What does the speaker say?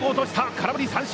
空振り三振！